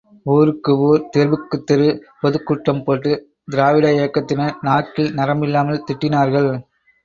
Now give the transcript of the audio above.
ஊருக்கு ஊர், தெருவுக்குத் தெரு பொதுக்கூட்டம் போட்டு திராவிட இயக்கத்தினர் நாக்கில் நரம்பில்லாமல் திட்டினார்கள்.